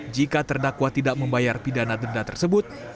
jika terdakwa tidak membayar pidana denda tersebut